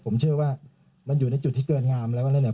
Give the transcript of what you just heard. ผมเชื่อว่ามันอยู่ในจุดที่เกินงามแล้วอะไรเนี่ย